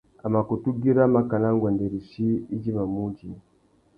A mà kutu güira makana nguêndê rissú idjimamú udjï.